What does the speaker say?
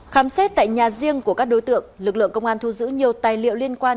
khám xét tại nhà riêng của các đối tượng lực lượng công an thu giữ nhiều tài liệu liên quan